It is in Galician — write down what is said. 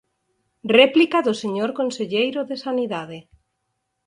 Réplica do señor conselleiro de Sanidade.